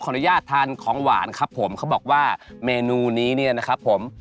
อนุญาตทานของหวานครับผมเขาบอกว่าเมนูนี้เนี่ยนะครับผม